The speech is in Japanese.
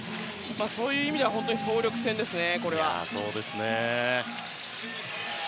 そういう意味では本当に総力戦ですね。